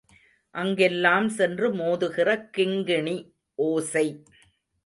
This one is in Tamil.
அங்கெல்லாம் சென்று மோதுகிறது கிங்கிணி ஓசை.